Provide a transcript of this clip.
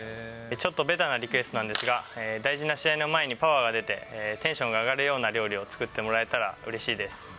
ちょっとベタなリクエストなんですが、大事な試合の前にパワーが出て、テンションが上がるような料理を作ってもらえたらうれしいです。